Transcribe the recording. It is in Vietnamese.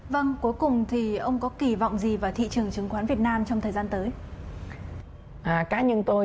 vâng cuối cùng thì ông có kỳ vọng gì vào thị trường chứng khoán việt nam trong thời gian tới